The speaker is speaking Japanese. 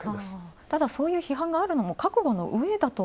ただ、そういう批判があるのも覚悟のうえと。